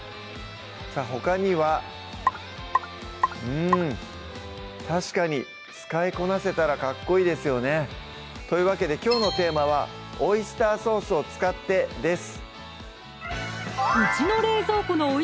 さぁほかにはうん確かに使いこなせたらかっこいいですよねというわけできょうのテーマは「オイスターソースを使って」です